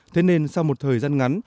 thế nên sau một thời gian ngắn